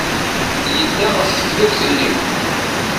Yedda ɣef teflukt-nni.